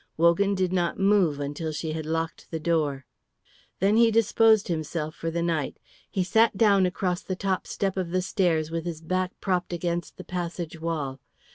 Wogan did not move until she had locked the door. Then he disposed himself for the night. He sat down across the top step of the stairs with his back propped against the passage wall.